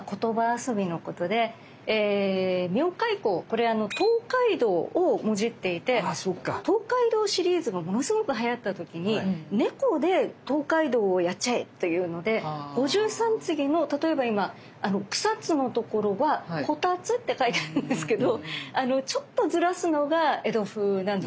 これ東海道をもじっていて東海道シリーズがものすごくはやった時に猫で東海道をやっちゃえというので五十三次の例えば今草津のところは「こたつ」って書いてあるんですけどちょっとずらすのが江戸風なんですよね